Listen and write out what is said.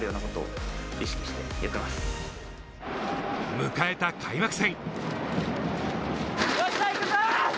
迎えた開幕戦。